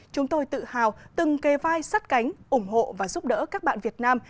chúng tôi tự hào từng kề vai sắt cánh ủng hộ và giúp đỡ các bạn việt nam